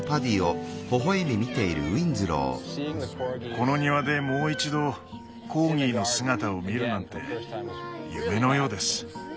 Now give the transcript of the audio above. この庭でもう一度コーギーの姿を見るなんて夢のようです。